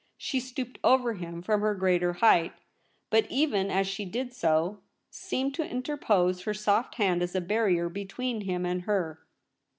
She stooped over him from her greater height ; but even as she did so, seemed to interpose her soft hand as a barrier between him and her.